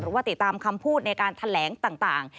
ว่าติดตามคำพูดในการแถลงต่าง